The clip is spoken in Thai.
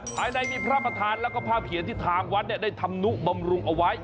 ภายในมีพระประธานแล้วก็ภาพเขียนที่ทางวัดได้ทำนุบำรุงเอาไว้